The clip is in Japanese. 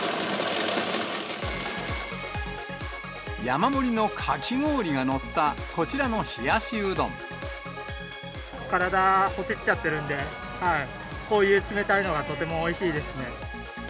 山盛りのかき氷が載った、こちら体、ほてっちゃってるんで、こういう冷たいのがとてもおいしいですね。